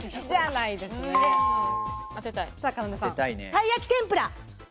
たい焼き天ぷら。